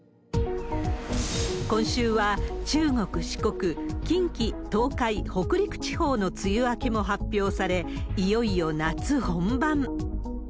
今週は、中国、四国、近畿、東海、北陸地方の梅雨明けも発表され、いよいよ夏本番。